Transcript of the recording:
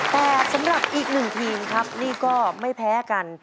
แต่สำหรับอีกหนึ่งทีมครับนี่ก็ไม่แพ้กัน